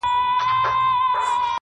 د بېوفا لفظونه راوړل.